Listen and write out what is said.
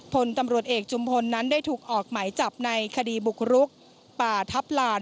พลตำรวจเอกจุมพลนั้นได้ถูกออกหมายจับในคดีบุกรุกป่าทัพลาน